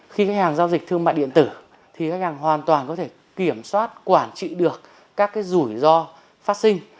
khi khách hàng giao dịch thương mại điện tử thì khách hàng hoàn toàn có thể kiểm soát quản trị được các rủi ro phát sinh